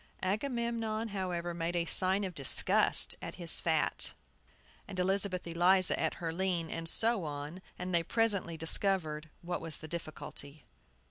Agamemnon, however, made a sign of disgust at his fat, and Elizabeth Eliza at her lean, and so on, and they presently discovered what was the difficulty.